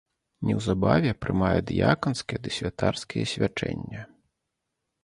Неўзабаве прымае дыяканскія ды святарскія свячэння.